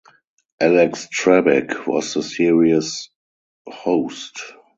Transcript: Alex Trebek was the series host.